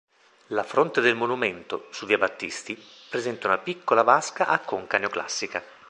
La fronte del monumento, su via Battisti, presenta una piccola vasca a conca neoclassica.